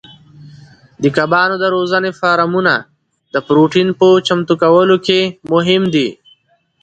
د کبانو د روزنې فارمونه د پروتین په چمتو کولو کې مهم دي.